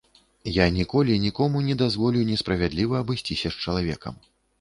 Я ніколі нікому не дазволю несправядліва абысціся з чалавекам.